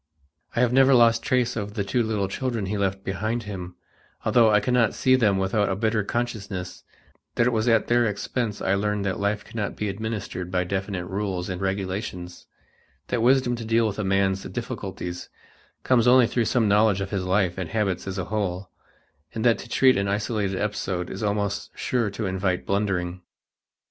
I have never lost trace of the two little children he left behind him, although I cannot see them without a bitter consciousness that it was at their expense I learned that life cannot be administered by definite rules and regulations; that wisdom to deal with a man's difficulties comes only through some knowledge of his life and habits as a whole; and that to treat an isolated episode is almost sure to invite blundering.